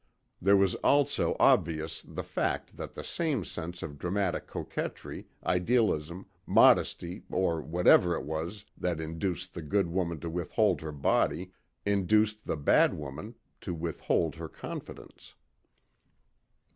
There was also obvious the fact that the same sense of dramatic coquetry, idealism, modesty or whatever it was that induced the good woman to withhold her body induced the bad woman to withhold her confidence.